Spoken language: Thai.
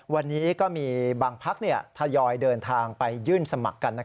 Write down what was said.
วันนี้ก็มีบางพักทยอยเดินทางไปยื่นสมัครกัน